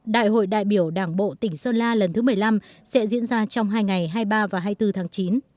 đại hội đại biểu đảng bộ tỉnh sơn la lần thứ một mươi năm sẽ diễn ra trong hai ngày hai mươi ba và hai mươi bốn tháng chín